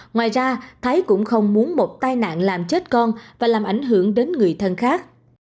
ngoài ra thái cũng không muốn một tai nạn làm chết con và làm ảnh hưởng đến người thân khác